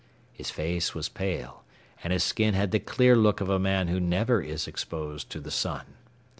His face was pale and his skin had the clear look of a man who never is exposed to the sun.